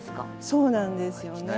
そうなんですよね。